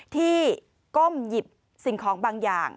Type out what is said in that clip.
ก้มหยิบสิ่งของบางอย่าง